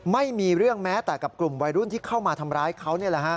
ไม่มีเรื่องแม้แต่กับกลุ่มวัยรุ่นที่เข้ามาทำร้ายเขา